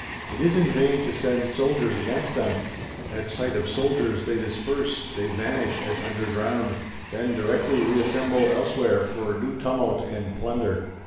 _ It is in vain to send soldiers against them: at sight of soldiers they disperse, they vanish as under ground; then directly reassemble elsewhere for new tumult and plunder.